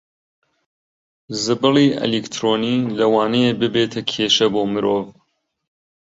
زبڵی ئەلیکترۆنی لەوانەیە ببێتە کێشە بۆ مرۆڤ